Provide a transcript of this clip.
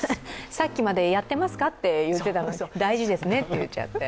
さっきまでやっていますかって言っていたのに、大事ですねって言っちゃって。